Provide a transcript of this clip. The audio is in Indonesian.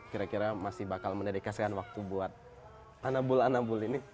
kira kira masih bakal mendedikasikan waktu buat anabul anambul ini